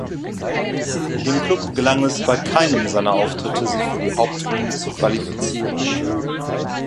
Dem Klub gelang es bei keinem seiner Auftritte, sich für die Hauptrunde zu qualifizieren.